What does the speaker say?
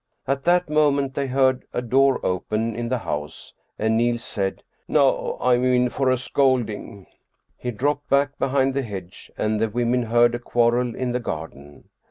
At that moment they heard a door open in the house and Niels said, " Now I'm in for a scolding." He dropped back behind the hedge and the women heard a quarrel in the garden.